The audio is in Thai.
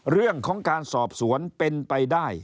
เรื่องของการสอบสวนเป็นไปได้